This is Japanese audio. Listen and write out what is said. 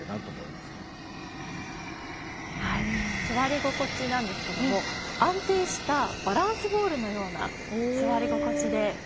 すわり心地なんですけども安定したバランスボールのようなすわり心地で。